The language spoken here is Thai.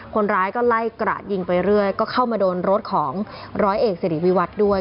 คนร้ายก็ไล่กระดยิงไปเรื่อยก็เข้ามาโดนรถของร้อยเอกสิริวิวัตรด้วย